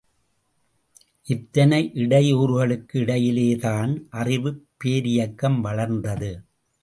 இத்தனை இடையூறுகளுக்கு இடையிலேதான் அறிவுப் பேரியக்கம் வளர்ந்தது.